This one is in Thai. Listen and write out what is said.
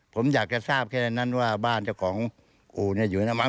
ผมอยากจะทราบแค่นั้นว่าบ้านเจ้าของอู่อยู่น้ำมัน